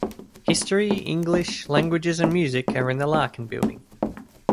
History, English, Languages and Music are in the Larkin Building.